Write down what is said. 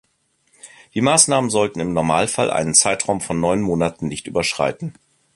Die Maßnahmen sollten im Normalfall einen Zeitraum von neun Monaten nicht überschreiten.